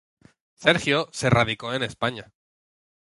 Sergio se radicó en España.